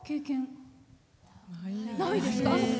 ないです。